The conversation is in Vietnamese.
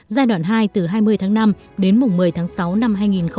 giai đoạn hai từ hai mươi tháng năm đến mùng một mươi tháng sáu năm hai nghìn hai mươi